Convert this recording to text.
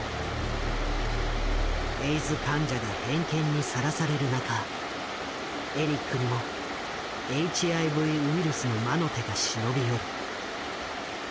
エイズ患者が偏見にさらされる中エリックにもＨＩＶウイルスの魔の手が忍び寄る。